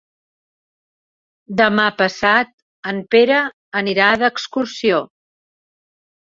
Demà passat en Pere anirà d'excursió.